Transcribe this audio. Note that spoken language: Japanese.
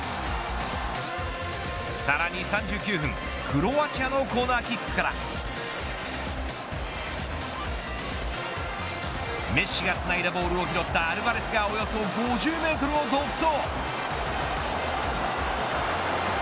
さらに３９分クロアチアのコーナーキックからメッシがつないだボールを拾ったアルヴァレスがおよそ５０メートルを独走。